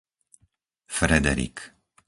Frederik